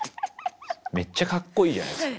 めっちゃかっこいいじゃないですか。